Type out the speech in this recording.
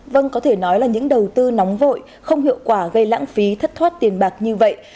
vâng có thể nói là những đầu tư nóng vội không hiệu quả gây lãng phí thất thoát tiền bạc như vậy